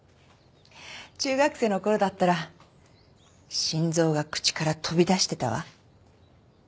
中学生のころだったら心臓が口から飛び出してたわ。